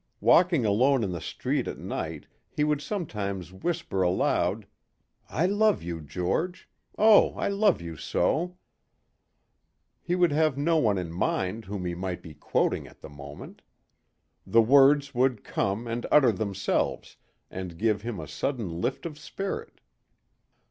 Walking alone in the street at night he would sometimes whisper aloud, "I love you, George. Oh, I love you so." He would have no one in mind whom he might be quoting at the moment. The words would come and utter themselves and give him a sudden lift of spirit.